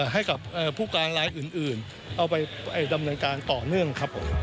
ให้กับผู้การรายอื่นเอาไปดำเนินการต่อเนื่องครับผม